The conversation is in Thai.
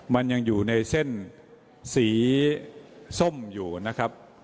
มันยังอยู่ในเส้นสีส้มอยู่นะครับ